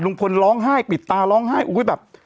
ร้องไห้ปิดตาร้องไห้อุ้ยแบบ